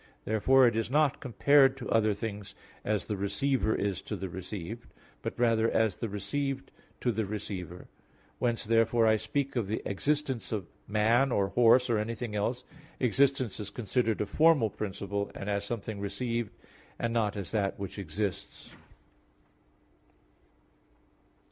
Therefore it is not compared to other things as the receiver is to the received; but rather as the received to the receiver. When therefore I speak of the existence of man, or horse, or anything else, existence is considered a formal principle, and as something received; and not as that which exists.